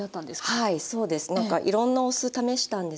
はいそうです。